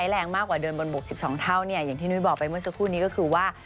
แรงมากกว่าเดินบนบก๑๒เท่าเนี่ยอย่างที่นุ้ยบอกไปเมื่อสักครู่นี้ก็คือว่า